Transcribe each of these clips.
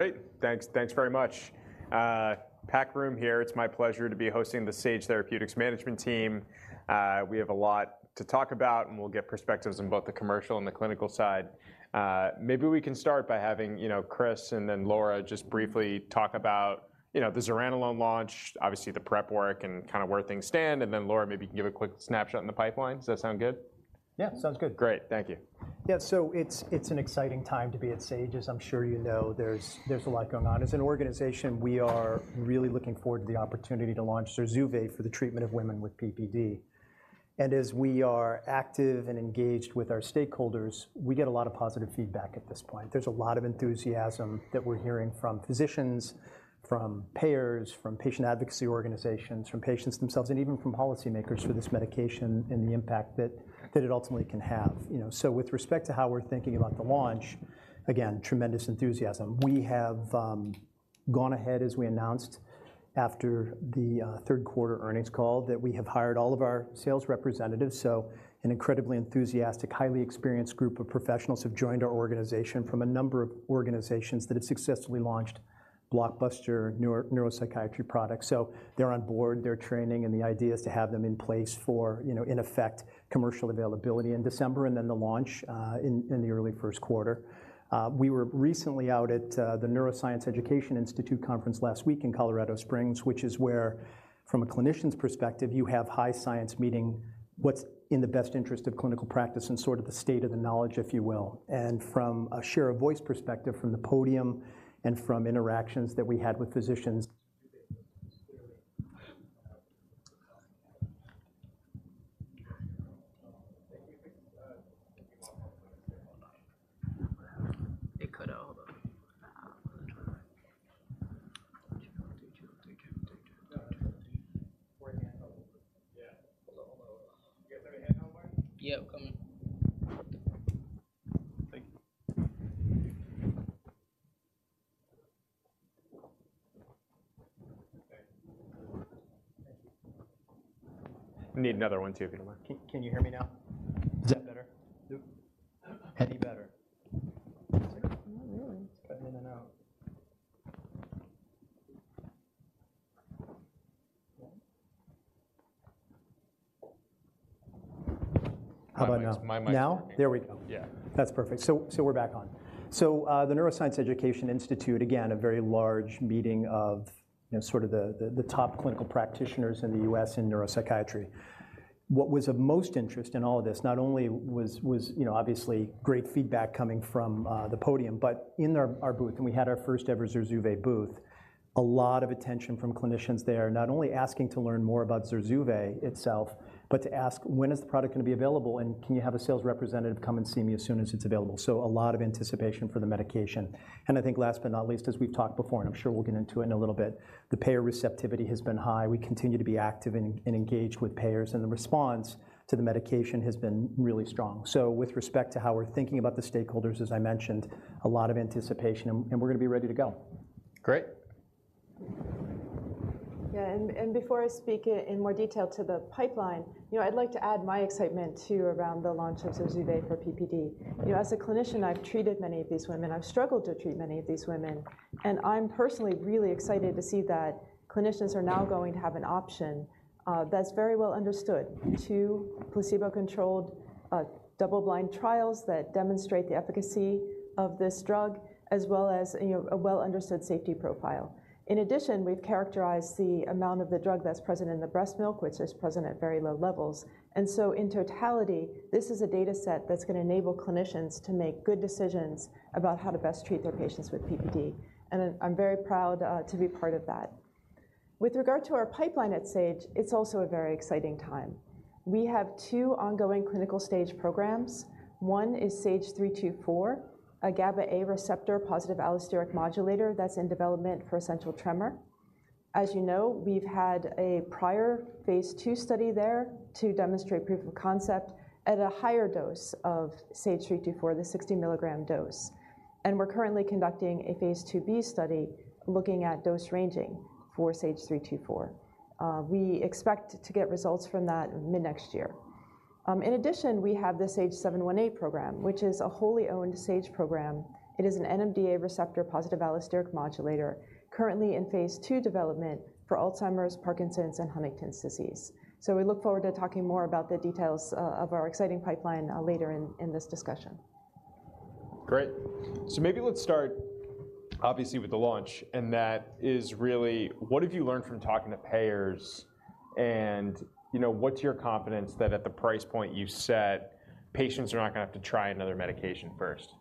Great! Thanks, thanks very much. Packed room here. It's my pleasure to be hosting the Sage Therapeutics management team. We have a lot to talk about, and we'll get perspectives on both the commercial and the clinical side. Maybe we can start by having, you know, Chris, and then Laura, just briefly talk about, you know, the zuranolone launch, obviously the prep work and kind of where things stand. And then, Laura, maybe you can give a quick snapshot on the pipeline. Does that sound good? Yeah. Sounds good. Great. Thank you. Yeah, so it's an exciting time to be at Sage, as I'm sure you know. There's a lot going on. As an organization, we are really looking forward to the opportunity to launch Zurzuvae for the treatment of women with PPD. And as we are active and engaged with our stakeholders, we get a lot of positive feedback at this point. There's a lot of enthusiasm that we're hearing from physicians, from payers, from patient advocacy organizations, from patients themselves, and even from policymakers for this medication and the impact that it ultimately can have. You know, so with respect to how we're thinking about the launch, again, tremendous enthusiasm. We have gone ahead, as we announced after the third quarter earnings call, that we have hired all of our sales representatives. So an incredibly enthusiastic, highly experienced group of professionals have joined our organization from a number of organizations that have successfully launched blockbuster neuropsychiatry products. So they're on board, they're training, and the idea is to have them in place for, you know, in effect, commercial availability in December, and then the launch in the early first quarter. We were recently out at the Neuroscience Education Institute conference last week in Colorado Springs, which is where, from a clinician's perspective, you have high science meeting what's in the best interest of clinical practice and sort of the state of the knowledge, if you will. And from a share of voice perspective, from the podium and from interactions that we had with physicians.. Yeah. Hold on, hold on. You guys ready to head out, Mark? Yep, coming. Thank you. We need another one, too, if you don't mind. Can you hear me now? Yep. Is that better? Any better? Not really. It's cutting in and out. How about now? Now? There we go. Yeah. That's perfect. So, so we're back on. So, the Neuroscience Education Institute, again, a very large meeting of, you know, sort of the, the, the top clinical practitioners in the U.S. in neuropsychiatry. What was of most interest in all of this, not only was, was, you know, obviously great feedback coming from the podium, but in our, our booth, and we had our first ever Zurzuvae booth, a lot of attention from clinicians there. Not only asking to learn more about Zurzuvae itself, but to ask: "When is the product gonna be available, and can you have a sales representative come and see me as soon as it's available?" So a lot of anticipation for the medication. And I think last but not least, as we've talked before, and I'm sure we'll get into it in a little bit, the payer receptivity has been high. We continue to be active and engaged with payers, and the response to the medication has been really strong. So with respect to how we're thinking about the stakeholders, as I mentioned, a lot of anticipation, and we're gonna be ready to go. Great. Yeah, before I speak in more detail to the pipeline, you know, I'd like to add my excitement, too, around the launch of Zurzuvae for PPD. You know, as a clinician, I've treated many of these women. I've struggled to treat many of these women, and I'm personally really excited to see that clinicians are now going to have an option that's very well understood. Two placebo-controlled double-blind trials that demonstrate the efficacy of this drug, as well as, you know, a well-understood safety profile. In addition, we've characterized the amount of the drug that's present in the breast milk, which is present at very low levels. And so, in totality, this is a data set that's gonna enable clinicians to make good decisions about how to best treat their patients with PPD, and I'm very proud to be part of that. With regard to our pipeline at Sage, it's also a very exciting time. We have two ongoing clinical stage programs. One is SAGE-324, a GABA-A receptor positive allosteric modulator that's in development for essential tremor. As you know, we've had a prior phase II study there to demonstrate proof of concept at a higher dose of SAGE-324, the 60 mg dose. We're currently conducting a phase II-B study looking at dose ranging for SAGE-324. We expect to get results from that mid-next year. In addition, we have the SAGE-718 program, which is a wholly owned Sage program. It is an NMDA receptor positive allosteric modulator, currently in phase II development for Alzheimer's, Parkinson's, and Huntington's disease. We look forward to talking more about the details of our exciting pipeline later in this discussion. Great. So maybe let's start, obviously, with the launch, and that is really: What have you learned from talking to payers, and, you know, what's your confidence that at the price point you've set, patients are not gonna have to try another medication first?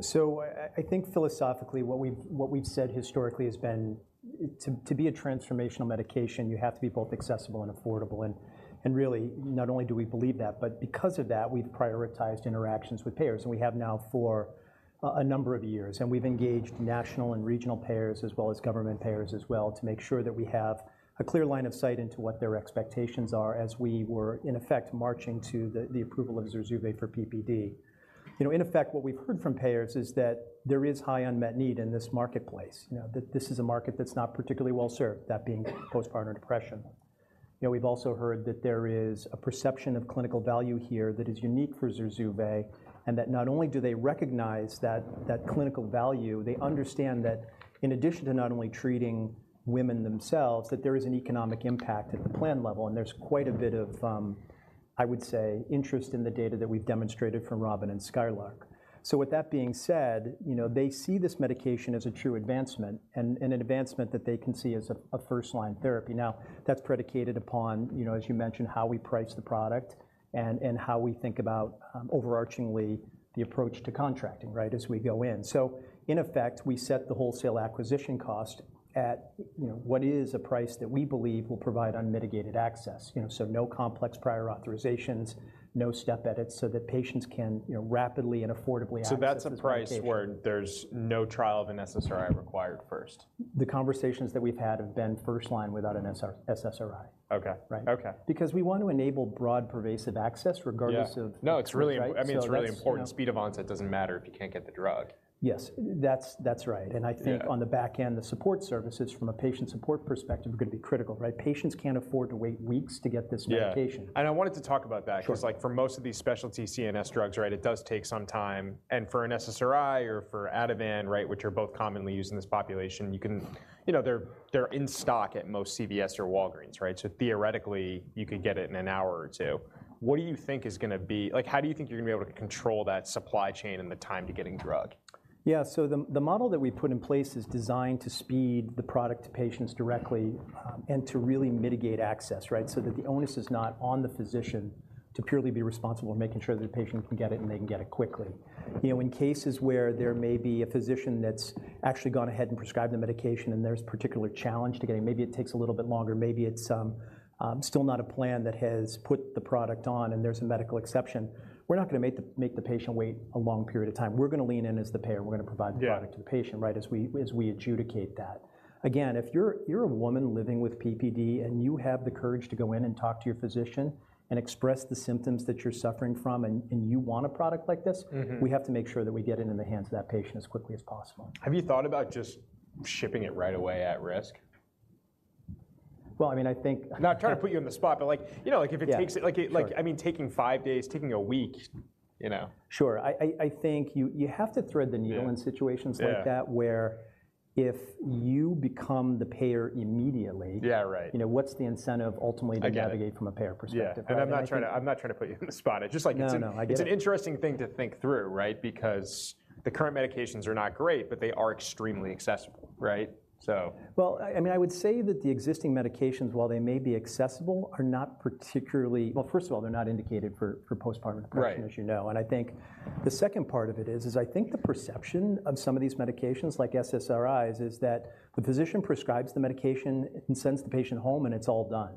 So, I think philosophically, what we've said historically has been, to be a transformational medication, you have to be both accessible and affordable. And really, not only do we believe that, but because of that, we've prioritized interactions with payers, and we have now for a number of years. And we've engaged national and regional payers, as well as government payers as well, to make sure that we have a clear line of sight into what their expectations are, as we were, in effect, marching to the approval of Zurzuvae for PPD. You know, in effect, what we've heard from payers is that there is high unmet need in this marketplace. You know, that this is a market that's not particularly well-served, that being postpartum depression. You know, we've also heard that there is a perception of clinical value here that is unique for Zurzuvae, and that not only do they recognize that, that clinical value, they understand that in addition to not only treating women themselves, that there is an economic impact at the plan level, and there's quite a bit of, I would say, interest in the data that we've demonstrated from ROBIN and SKYLARK. So with that being said, you know, they see this medication as a true advancement and, and an advancement that they can see as a, a first-line therapy. Now, that's predicated upon, you know, as you mentioned, how we price the product and, and how we think about, overarchingly the approach to contracting, right? As we go in. In effect, we set the wholesale acquisition cost at, you know, what is a price that we believe will provide unmitigated access. You know, so no complex prior authorizations, no step edits, so that patients can, you know, rapidly and affordably access this medication. That's a price where there's no trial of an SSRI required first? The conversations that we've had have been first line without an SSRI. Okay. Right. Okay. Because we want to enable broad, pervasive access regardless of- Yeah. No, it's really- Right, so that's, you know- I mean, it's really important. Speed of onset doesn't matter if you can't get the drug. Yes, that's right. Yeah. I think on the back end, the support services from a patient support perspective are gonna be critical, right? Patients can't afford to wait weeks to get this medication. Yeah, and I wanted to talk about that- Sure.... 'cause, like, for most of these specialty CNS drugs, right, it does take some time. And for an SSRI or for Ativan, right, which are both commonly used in this population, you can. You know, they're in stock at most CVS or Walgreens, right? So theoretically, you could get it in an hour or two. What do you think is gonna be... Like, how do you think you're gonna be able to control that supply chain and the time to getting drug? Yeah, so the model that we put in place is designed to speed the product to patients directly, and to really mitigate access, right? So that the onus is not on the physician to purely be responsible for making sure the patient can get it, and they can get it quickly. You know, in cases where there may be a physician that's actually gone ahead and prescribed the medication, and there's particular challenge to getting, maybe it takes a little bit longer, maybe it's still not a plan that has put the product on and there's a medical exception, we're not gonna make the patient wait a long period of time. We're gonna lean in as the payer. We're gonna provide- Yeah.... the product to the patient, right, as we, as we adjudicate that. Again, if you're, you're a woman living with PPD, and you have the courage to go in and talk to your physician and express the symptoms that you're suffering from, and, and you want a product like this- Mm-hmm.... we have to make sure that we get it into the hands of that patient as quickly as possible. Have you thought about just shipping it right away at risk? Well, I mean, I think- Not trying to put you on the spot, but like, you know, like if it takes- Yeah, sure. Like, like, I mean, taking five days, taking a week, you know? Sure. I think you have to thread the needle- Yeah.... in situations like that- Yeah.... where if you become the payer immediately- Yeah, right.... you know, what's the incentive ultimately- I get it.... to navigate from a payer perspective? Yeah. I think- I'm not trying to put you on the spot. It's just like- No, no, I get it.... it's an interesting thing to think through, right? Because the current medications are not great, but they are extremely accessible, right? So. Well, I mean, I would say that the existing medications, while they may be accessible, are not particularly. Well, first of all, they're not indicated for postpartum depression- Right.... as you know, and I think the second part of it is, I think the perception of some of these medications, like SSRIs, is that the physician prescribes the medication and sends the patient home, and it's all done.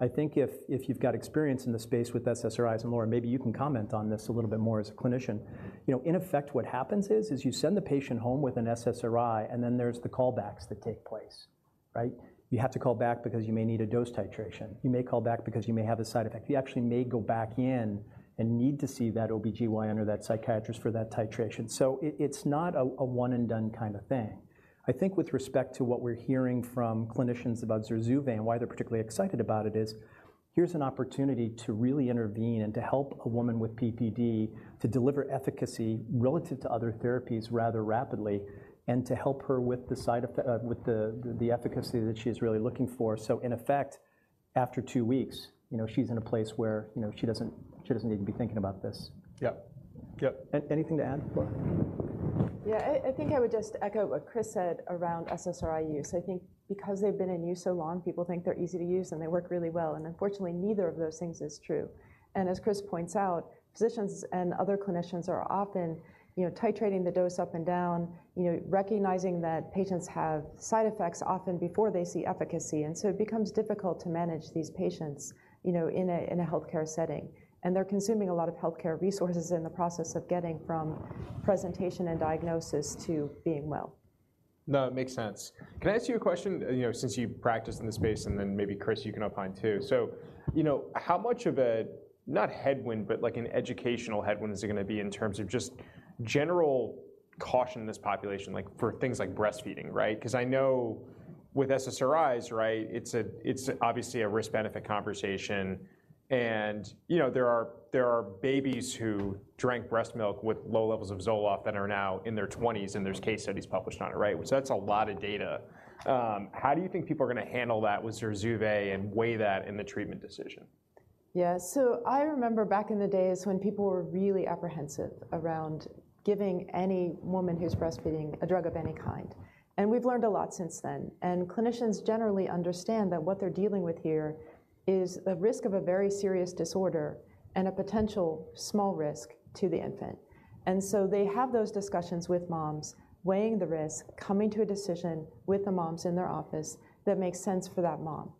I think if you've got experience in the space with SSRIs, and, Laura, maybe you can comment on this a little bit more as a clinician. You know, in effect, what happens is, you send the patient home with an SSRI, and then there's the callbacks that take place, right? You have to call back because you may need a dose titration. You may call back because you may have a side effect. You actually may go back in and need to see that OB-GYN or that psychiatrist for that titration. So it's not a one-and-done kind of thing. I think with respect to what we're hearing from clinicians about Zurzuvae and why they're particularly excited about it is: here's an opportunity to really intervene and to help a woman with PPD to deliver efficacy relative to other therapies rather rapidly and to help her with the efficacy that she's really looking for. So in effect, after two weeks, you know, she's in a place where, you know, she doesn't, she doesn't need to be thinking about this. Yeah. Yep. Anything to add, Laura? Yeah, I think I would just echo what Chris said around SSRI use. I think because they've been in use so long, people think they're easy to use, and they work really well, and unfortunately, neither of those things is true. As Chris points out, physicians and other clinicians are often, you know, titrating the dose up and down, you know, recognizing that patients have side effects often before they see efficacy, and so it becomes difficult to manage these patients, you know, in a healthcare setting. They're consuming a lot of healthcare resources in the process of getting from presentation and diagnosis to being well. No, it makes sense. Can I ask you a question, you know, since you've practiced in this space, and then maybe, Chris, you can opine, too? So, you know, how much of a, not headwind, but, like, an educational headwind is it gonna be in terms of just general caution in this population, like, for things like breastfeeding, right? 'Cause I know with SSRIs, right, it's a, it's obviously a risk-benefit conversation, and, you know, there are, there are babies who drank breast milk with low levels of Zoloft that are now in their twenties, and there's case studies published on it, right? So that's a lot of data. How do you think people are gonna handle that with Zurzuvae and weigh that in the treatment decision? Yeah, so I remember back in the days when people were really apprehensive around giving any woman who's breastfeeding a drug of any kind, and we've learned a lot since then. And clinicians generally understand that what they're dealing with here is a risk of a very serious disorder and a potential small risk to the infant. And so they have those discussions with moms, weighing the risk, coming to a decision with the moms in their office that makes sense for that mom.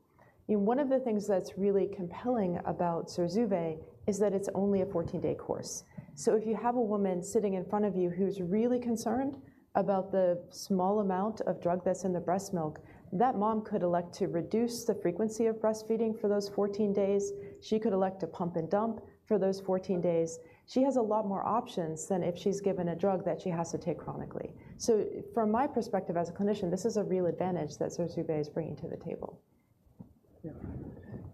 You know, one of the things that's really compelling about Zurzuvae is that it's only a 14-day course. So if you have a woman sitting in front of you who's really concerned about the small amount of drug that's in the breast milk, that mom could elect to reduce the frequency of breastfeeding for those 14 days. She could elect to pump and dump for those 14 days. She has a lot more options than if she's given a drug that she has to take chronically. So from my perspective as a clinician, this is a real advantage that Zurzuvae is bringing to the table. Yeah,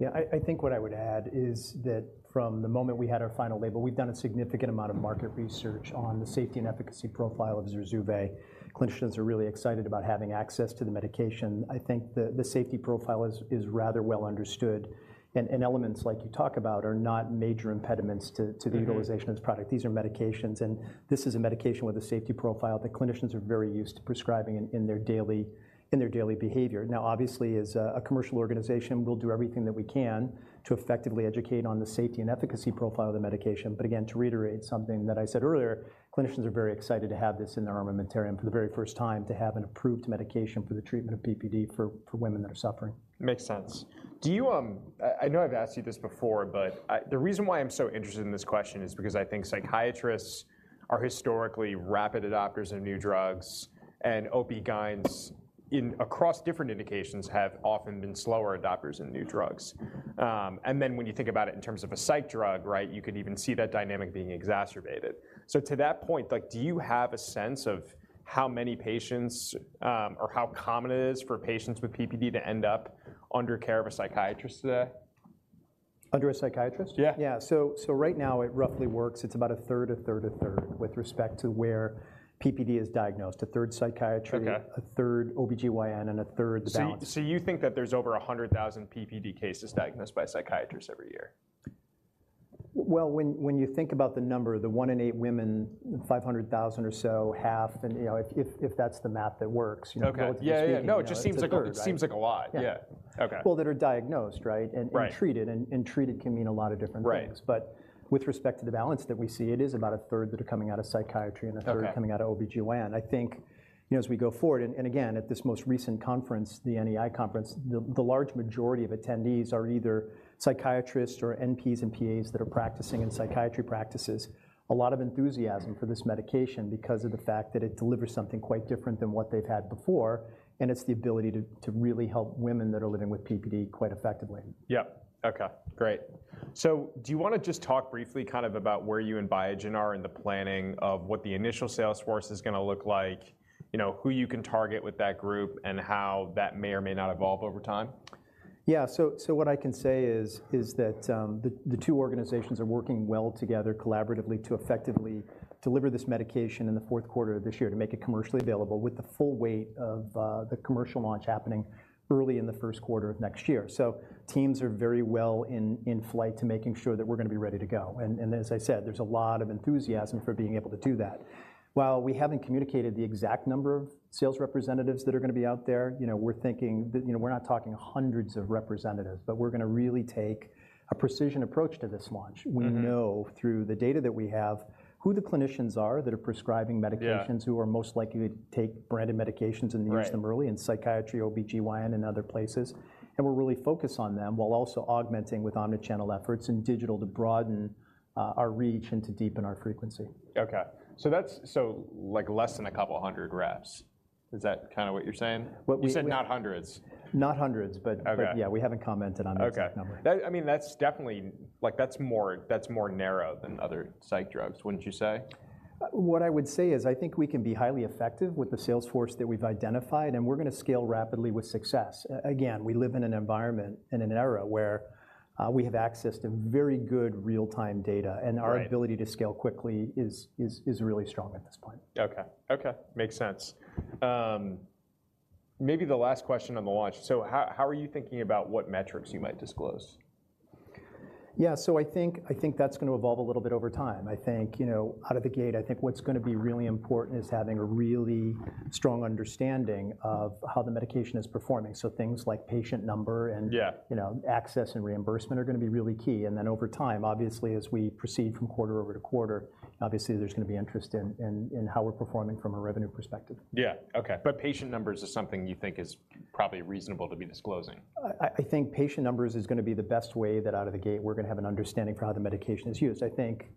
yeah, I think what I would add is that from the moment we had our final label, we've done a significant amount of market research on the safety and efficacy profile of Zurzuvae. Clinicians are really excited about having access to the medication. I think the safety profile is rather well understood, and elements like you talk about are not major impediments to the utilization of this product. These are medications, and this is a medication with a safety profile that clinicians are very used to prescribing in their daily behavior. Now, obviously, as a commercial organization, we'll do everything that we can to effectively educate on the safety and efficacy profile of the medication. But again, to reiterate something that I said earlier, clinicians are very excited to have this in their armamentarium for the very first time to have an approved medication for the treatment of PPD for women that are suffering. Makes sense. Do you.. I know I've asked you this before, but the reason why I'm so interested in this question is because I think psychiatrists are historically rapid adopters of new drugs, and OB-GYNs across different indications have often been slower adopters in new drugs. And then when you think about it in terms of a psych drug, right, you can even see that dynamic being exacerbated. So to that point, like, do you have a sense of how many patients or how common it is for patients with PPD to end up under care of a psychiatrist today? Under a psychiatrist? Yeah. Yeah, so, so right now it roughly works... It's about a third, with respect to where PPD is diagnosed. A third psychiatry- Okay.... a third OB-GYN, and a third the balance. So, you think that there's over 100,000 PPD cases diagnosed by psychiatrists every year? Well, when you think about the number, the one in eight women, 500,000 or so, half, and, you know, if that's the math that works, you know, go with the- Okay. Yeah, yeah. It's a third, right? No, it just seems like a, it seems like a lot. Yeah. Yeah. Okay. People that are diagnosed, right? Right. Treated can mean a lot of different things. Right. But with respect to the balance that we see, it is about a third that are coming out of psychiatry- Okay... and a third coming out of OB-GYN. I think, you know, as we go forward, and, and again, at this most recent conference, the NEI conference, the large majority of attendees are either psychiatrists or NPs and PAs that are practicing in psychiatry practices. A lot of enthusiasm for this medication because of the fact that it delivers something quite different than what they've had before, and it's the ability to really help women that are living with PPD quite effectively. Yeah. Okay, great. So do you wanna just talk briefly kind of about where you and Biogen are in the planning of what the initial sales force is gonna look like? You know, who you can target with that group and how that may or may not evolve over time? Yeah, so what I can say is that the two organizations are working well together collaboratively to effectively deliver this medication in the fourth quarter of this year, to make it commercially available with the full weight of the commercial launch happening early in the first quarter of next year. So teams are very well in flight to making sure that we're gonna be ready to go. And as I said, there's a lot of enthusiasm for being able to do that. While we haven't communicated the exact number of sales representatives that are gonna be out there, you know, we're thinking that... You know, we're not talking hundreds of representatives, but we're gonna really take a precision approach to this launch. Mm-hmm. We know, through the data that we have, who the clinicians are that are prescribing medications- Yeah... who are most likely to take branded medications and use them- Right... early in psychiatry, OB-GYN, and other places. We're really focused on them, while also augmenting with omnichannel efforts and digital to broaden our reach and to deepen our frequency. Okay. So that's, like, less than a couple 100 reps, is that kinda what you're saying? What we- You said not hundreds. Not hundreds, but- Okay.... but yeah, we haven't commented on the exact number. Okay. I mean, that's definitely like, that's more, that's more narrow than other psych drugs, wouldn't you say? What I would say is, I think we can be highly effective with the sales force that we've identified, and we're gonna scale rapidly with success. Again, we live in an environment, in an era where we have access to very good real-time data- Right.... and our ability to scale quickly is really strong at this point. Okay. Okay, makes sense. Maybe the last question on the launch: so how, how are you thinking about what metrics you might disclose? Yeah, so I think, I think that's gonna evolve a little bit over time. I think, you know, out of the gate, I think what's gonna be really important is having a really strong understanding of how the medication is performing. So things like patient number- Yeah.... and, you know, access and reimbursement are gonna be really key. And then over time, obviously, as we proceed from quarter-over-quarter, obviously there's gonna be interest in how we're performing from a revenue perspective. Yeah. Okay, but patient numbers is something you think is probably reasonable to be disclosing? I think patient numbers is gonna be the best way that, out of the gate, we're gonna have an understanding for how the medication is used. I think,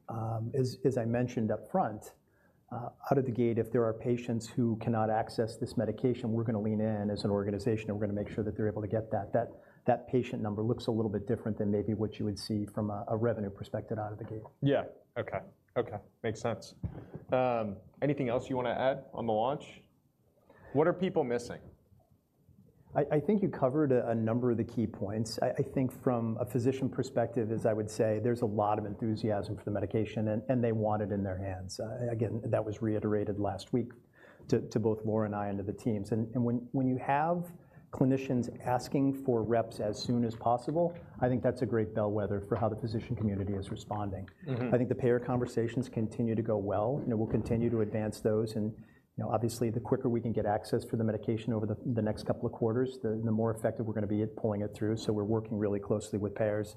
as I mentioned upfront, out of the gate, if there are patients who cannot access this medication, we're gonna lean in as an organization, and we're gonna make sure that they're able to get that. That patient number looks a little bit different than maybe what you would see from a revenue perspective out of the gate. Yeah. Okay, okay, makes sense. Anything else you wanna add on the launch? What are people missing? I think you covered a number of the key points. I think from a physician perspective, as I would say, there's a lot of enthusiasm for the medication, and they want it in their hands. Again, that was reiterated last week to both Laura and I and to the teams. And when you have clinicians asking for reps as soon as possible, I think that's a great bellwether for how the physician community is responding. Mm-hmm. I think the payer conversations continue to go well, and we'll continue to advance those. You know, obviously, the quicker we can get access to the medication over the next couple of quarters, the more effective we're gonna be at pulling it through, so we're working really closely with payers.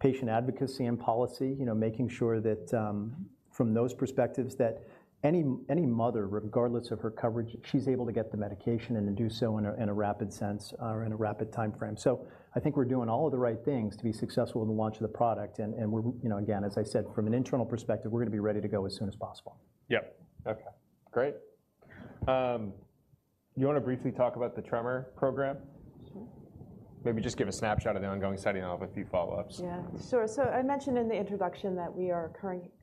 Patient advocacy and policy, you know, making sure that from those perspectives, that any mother, regardless of her coverage, she's able to get the medication and to do so in a rapid sense, or in a rapid timeframe. So I think we're doing all of the right things to be successful in the launch of the product, and we're... You know, again, as I said, from an internal perspective, we're gonna be ready to go as soon as possible. Yep. Okay, great. You wanna briefly talk about the tremor program? Sure.... maybe just give a snapshot of the ongoing setting, and I'll have a few follow-ups. Yeah, sure. So I mentioned in the introduction that we are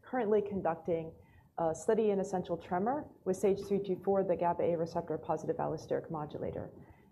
currently conducting a study in essential tremor with SAGE-324, the GABA-A receptor positive allosteric modulator.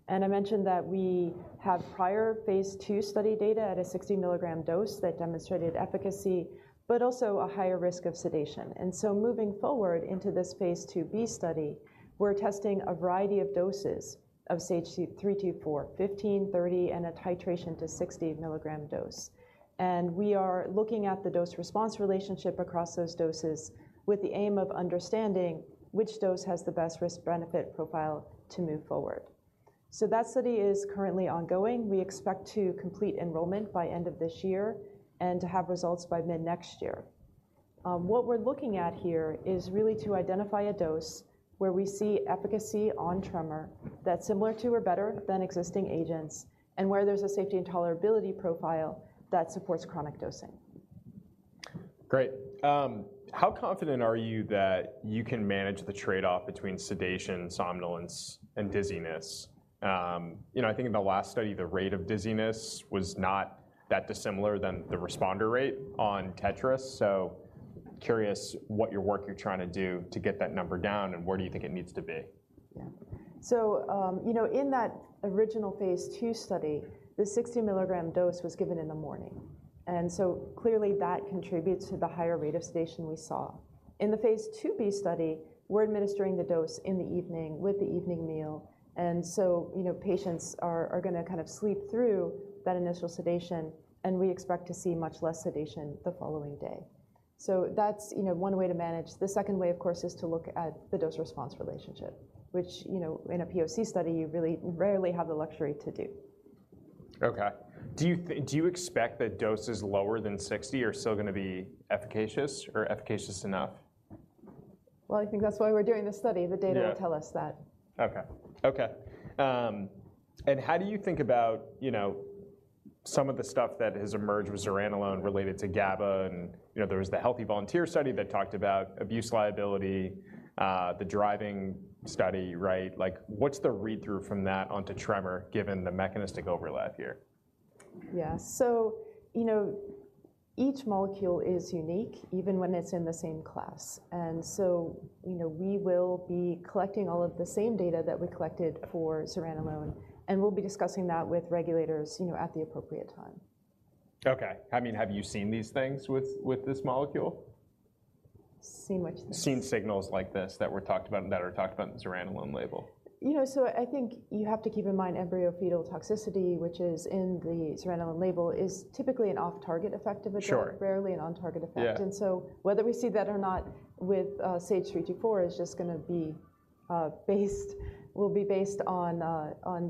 And I mentioned that we have prior phase II study data at a 60 mg dose that demonstrated efficacy, but also a higher risk of sedation. And so moving forward into this phase II-B study, we're testing a variety of doses of SAGE-324, 15 mg, 30 mg, and a titration to 60 mg dose. And we are looking at the dose response relationship across those doses, with the aim of understanding which dose has the best risk-benefit profile to move forward. So that study is currently ongoing. We expect to complete enrollment by end of this year and to have results by mid-next year. What we're looking at here is really to identify a dose where we see efficacy on tremor that's similar to or better than existing agents, and where there's a safety and tolerability profile that supports chronic dosing. Great. How confident are you that you can manage the trade-off between sedation, somnolence, and dizziness? You know, I think in the last study, the rate of dizziness was not that dissimilar than the responder rate on TETRAS. So curious what your work you're trying to do to get that number down, and where do you think it needs to be? Yeah. So, you know, in that original phase II study, the 60 mg dose was given in the morning, and so clearly that contributes to the higher rate of sedation we saw. In phase II-B study, we're administering the dose in the evening with the evening meal, and so, you know, patients are gonna kind of sleep through that initial sedation, and we expect to see much less sedation the following day. So that's, you know, one way to manage. The second way, of course, is to look at the dose response relationship, which, you know, in a POC study, you really rarely have the luxury to do. Okay. Do you expect that doses lower than 60 mg are still gonna be efficacious or efficacious enough? Well, I think that's why we're doing this study. Yeah. The data will tell us that. Okay. Okay. And how do you think about, you know, some of the stuff that has emerged with zuranolone related to GABA and, you know, there was the healthy volunteer study that talked about abuse liability, the driving study, right? Like, what's the read-through from that onto tremor, given the mechanistic overlap here? Yeah. So, you know, each molecule is unique, even when it's in the same class. And so, you know, we will be collecting all of the same data that we collected for zuranolone, and we'll be discussing that with regulators, you know, at the appropriate time. Okay. I mean, have you seen these things with, with this molecule? Seen which things? Seen signals like this that were talked about, that are talked about in the zuranolone label. You know, so I think you have to keep in mind embryo-fetal toxicity, which is in the zuranolone label, is typically an off-target effect of a drug- Sure... rarely an on-target effect. Yeah. And so whether we see that or not with SAGE-324 is just gonna be based on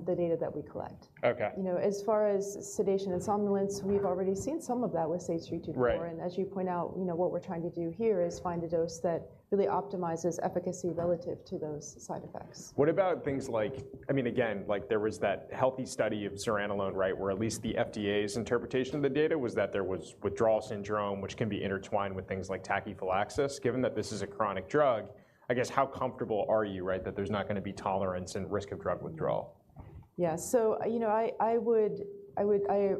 the data that we collect. Okay. You know, as far as sedation and somnolence, we've already seen some of that with SAGE-324. Right. As you point out, you know, what we're trying to do here is find a dose that really optimizes efficacy relative to those side effects. What about things like... I mean, again, like, there was that healthy study of zuranolone, right? Where at least the FDA's interpretation of the data was that there was withdrawal syndrome, which can be intertwined with things like tachyphylaxis. Given that this is a chronic drug, I guess how comfortable are you, right, that there's not gonna be tolerance and risk of drug withdrawal? Yeah. So, you know, I would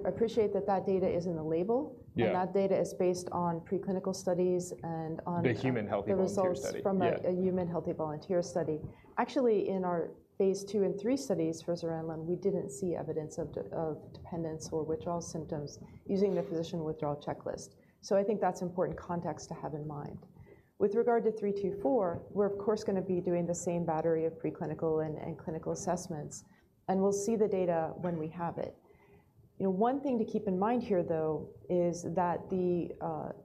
appreciate that that data is in the label. Yeah. That data is based on preclinical studies and on- The human healthy volunteer study. The results from a- Yeah.... a human healthy volunteer study. Actually, in our phase II and phase III studies for zuranolone, we didn't see evidence of dependence or withdrawal symptoms using the Physician Withdrawal Checklist. So I think that's important context to have in mind. With regard to SAGE-324, we're of course gonna be doing the same battery of preclinical and clinical assessments, and we'll see the data when we have it. You know, one thing to keep in mind here, though, is that the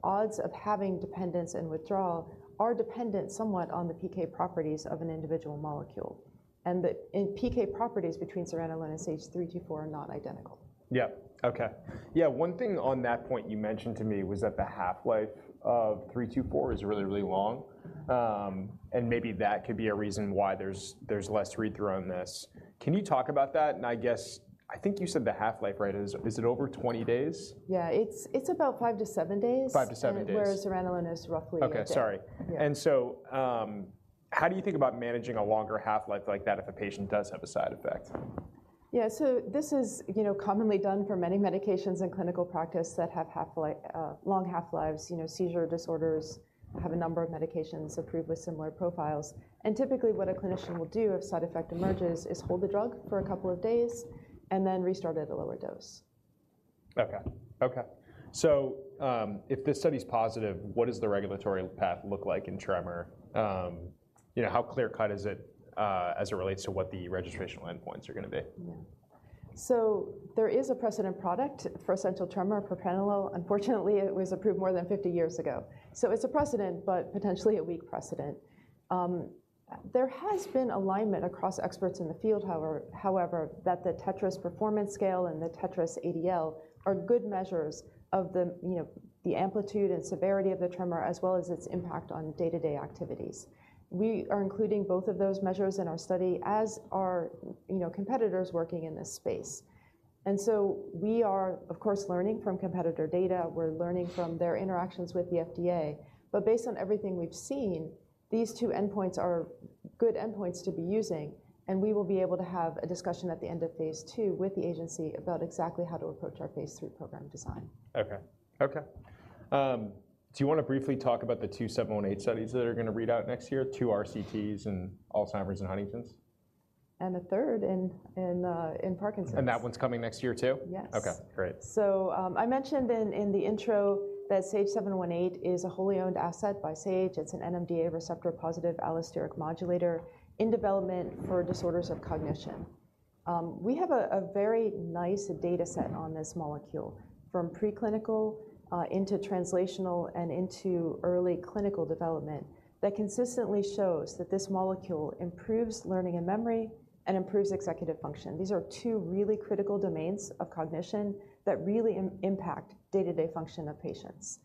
odds of having dependence and withdrawal are dependent somewhat on the PK properties of an individual molecule, and the PK properties between zuranolone and SAGE-324 are not identical. Yeah. Okay. Yeah, one thing on that point you mentioned to me was that the half-life of SAGE-324 is really, really long, and maybe that could be a reason why there's, there's less read-through on this. Can you talk about that? And I guess... I think you said the half-life, right, is, is it over 20 days? Yeah, it's about five to seven days. Five to seven days. Whereas zuranolone is roughly a day. Okay. Sorry. Yeah. So, how do you think about managing a longer half-life like that if a patient does have a side effect? Yeah. So this is, you know, commonly done for many medications in clinical practice that have half-life, long half-lives. You know, seizure disorders have a number of medications approved with similar profiles, and typically, what a clinician will do if side effect emerges is hold the drug for a couple of days and then restart at a lower dose. Okay. Okay. So, if this study is positive, what does the regulatory path look like in tremor? You know, how clear-cut is it, as it relates to what the registrational endpoints are gonna be? Yeah. So there is a precedent product for essential tremor, propranolol. Unfortunately, it was approved more than 50 years ago. So it's a precedent, but potentially a weak precedent. There has been alignment across experts in the field, however, however, that the TETRAS performance scale and the TETRAS ADL are good measures of the, you know, the amplitude and severity of the tremor, as well as its impact on day-to-day activities. We are including both of those measures in our study, as are, you know, competitors working in this space. And so we are, of course, learning from competitor data. We're learning from their interactions with the FDA. Based on everything we've seen, these two endpoints are good endpoints to be using, and we will be able to have a discussion at the end of phase II with the agency about exactly how to approach our phase III program design. Okay. Okay. Do you want to briefly talk about the SAGE-718 studies that are going to read out next year, two RCTs in Alzheimer's and Huntington's? And a third in Parkinson's. That one's coming next year, too? Yes. Okay, great. So, I mentioned in the intro that SAGE-718 is a wholly owned asset by Sage. It's an NMDA receptor positive allosteric modulator in development for disorders of cognition. We have a very nice data set on this molecule, from preclinical into translational and into early clinical development, that consistently shows that this molecule improves learning and memory and improves executive function. These are two really critical domains of cognition that really impact day-to-day function of patients.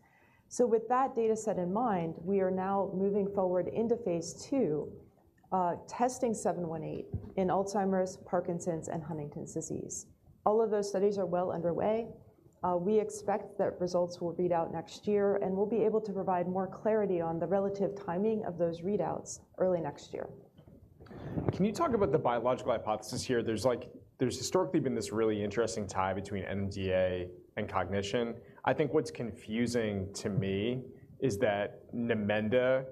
So with that data set in mind, we are now moving forward into phase II testing SAGE-718 in Alzheimer's, Parkinson's, and Huntington's disease. All of those studies are well underway. We expect that results will read out next year, and we'll be able to provide more clarity on the relative timing of those readouts early next year. Can you talk about the biological hypothesis here? There's historically been this really interesting tie between NMDA and cognition. I think what's confusing to me is that Namenda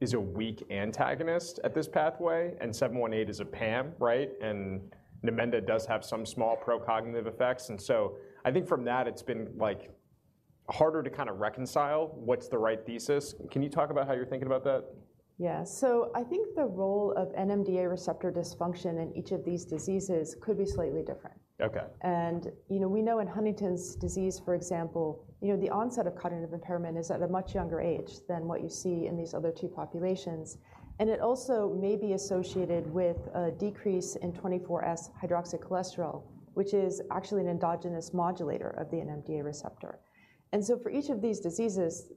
is a weak antagonist at this pathway, and SAGE-718 is a PAM, right? And Namenda does have some small pro-cognitive effects, and so I think from that it's been, like, harder to kind of reconcile what's the right thesis. Can you talk about how you're thinking about that? Yeah. So I think the role of NMDA receptor dysfunction in each of these diseases could be slightly different. Okay. You know, we know in Huntington's disease, for example, you know, the onset of cognitive impairment is at a much younger age than what you see in these other two populations. And it also may be associated with a decrease in 24S-hydroxycholesterol, which is actually an endogenous modulator of the NMDA receptor. And so for each of these diseases,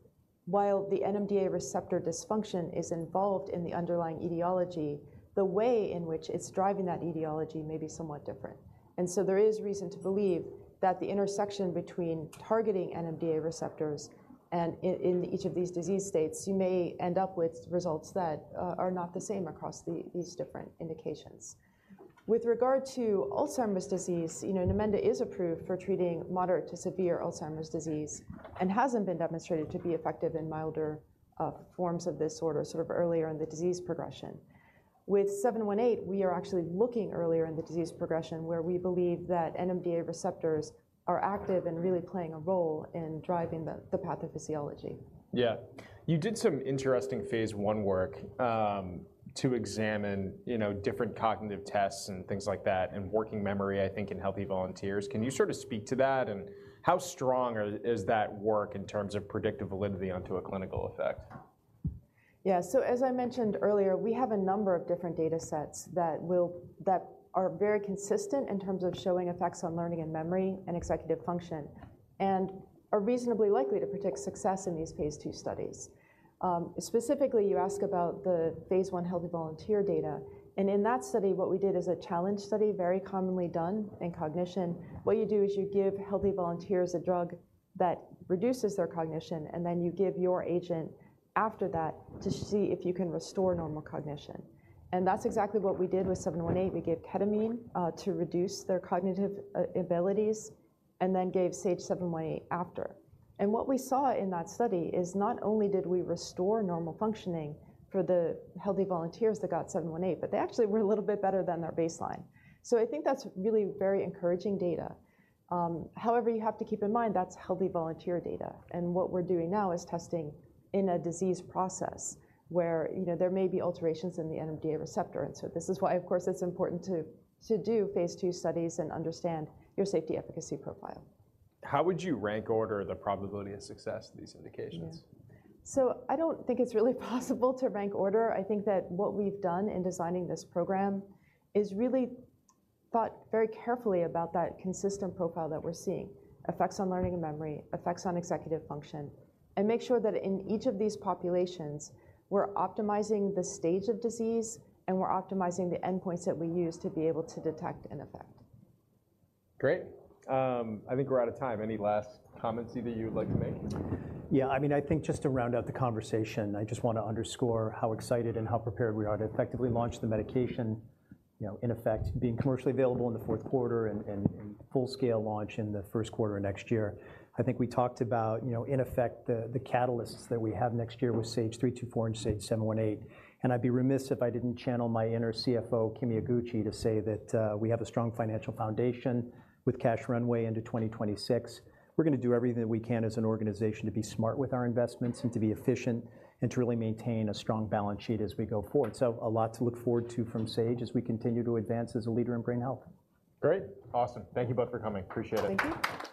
while the NMDA receptor dysfunction is involved in the underlying etiology, the way in which it's driving that etiology may be somewhat different. And so there is reason to believe that the intersection between targeting NMDA receptors and in each of these disease states, you may end up with results that are not the same across these different indications. With regard to Alzheimer's disease, you know, Namenda is approved for treating moderate to severe Alzheimer's disease and hasn't been demonstrated to be effective in milder, forms of disorder, sort of earlier in the disease progression. With SAGE-718, we are actually looking earlier in the disease progression, where we believe that NMDA receptors are active and really playing a role in driving the pathophysiology. Yeah. You did some interesting phase I work, to examine, you know, different cognitive tests and things like that, and working memory, I think, in healthy volunteers. Can you sort of speak to that, and how strong are-- is that work in terms of predictive validity onto a clinical effect? Yeah. So as I mentioned earlier, we have a number of different data sets that are very consistent in terms of showing effects on learning and memory and executive function and are reasonably likely to predict success in these phase II studies. Specifically, you ask about the phase I healthy volunteer data, and in that study, what we did is a challenge study, very commonly done in cognition. What you do is you give healthy volunteers a drug that reduces their cognition, and then you give your agent after that to see if you can restore normal cognition. And that's exactly what we did with SAGE-718. We gave ketamine to reduce their cognitive abilities and then gave SAGE-718 after. What we saw in that study is not only did we restore normal functioning for the healthy volunteers that got SAGE-718, but they actually were a little bit better than their baseline. So I think that's really very encouraging data. However, you have to keep in mind, that's healthy volunteer data, and what we're doing now is testing in a disease process where, you know, there may be alterations in the NMDA receptor. And so this is why, of course, it's important to do phase II studies and understand your safety efficacy profile. How would you rank order the probability of success of these indications? I don't think it's really possible to rank order. I think that what we've done in designing this program is really thought very carefully about that consistent profile that we're seeing, effects on learning and memory, effects on executive function, and make sure that in each of these populations, we're optimizing the stage of disease and we're optimizing the endpoints that we use to be able to detect an effect. Great. I think we're out of time. Any last comments either you'd like to make? Yeah, I mean, I think just to round out the conversation, I just want to underscore how excited and how prepared we are to effectively launch the medication, you know, in effect, being commercially available in the fourth quarter and full-scale launch in the first quarter of next year. I think we talked about, you know, in effect, the catalysts that we have next year with SAGE-324 and SAGE-718. And I'd be remiss if I didn't channel my inner CFO, Kimi Iguchi, to say that we have a strong financial foundation with cash runway into 2026. We're going to do everything that we can as an organization to be smart with our investments and to be efficient and to really maintain a strong balance sheet as we go forward. A lot to look forward to from Sage as we continue to advance as a leader in brain health. Great. Awesome. Thank you both for coming. Appreciate it. Thank you.